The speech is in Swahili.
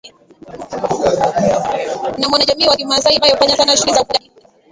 na mwanajamii wa kimasai ambae hufanya Sana shughuli za ufugaji